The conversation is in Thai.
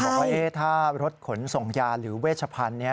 บอกว่าถ้ารถขนส่งยาหรือเวชพันธุ์นี้